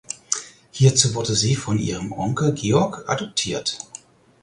Hierzu wurde sie von ihrem Onkel Georg adoptiert.